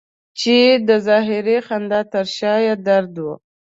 چې د ظاهري خندا تر شا یې درد و.